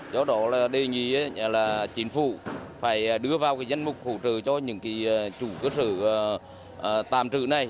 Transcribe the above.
do đó là đề nghị là chính phủ phải đưa vào cái dân mục hỗ trợ cho những cái chủ cơ sở tạm trữ này